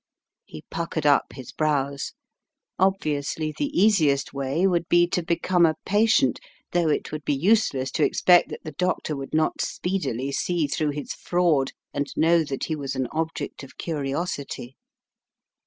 He puckered up his brows. Obviously the easiest way would be to become a patient, though it would be useless to expect that the doctor would not speed ily see through his fraud and know that he was an object of curiosity.